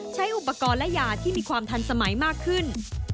ใช้อุปกรณ์และยาที่มีความทันสมัยมากขึ้น